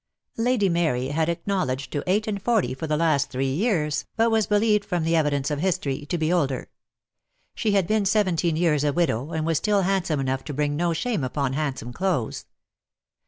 Lady Mary had acknowledged to eight and forty for the last three years, but was believed, from the evidence of history, to be older. She had been seventeen years a widow, and was still handsome enough to bring no shame upon hand some clothes.